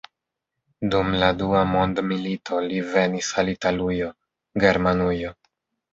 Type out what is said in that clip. Dum la dua mondmilito li venis al Italujo, Germanujo.